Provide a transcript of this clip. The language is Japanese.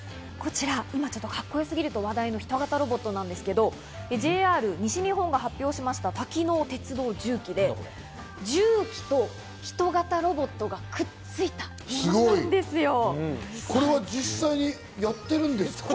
今、カッコ良すぎると話題の人型ロボットなんですが、ＪＲ西日本が発表した多機能鉄道重機で重機と人型ロボットがくっついたんですよ。